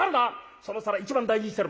その皿一番大事にしてるもんだ。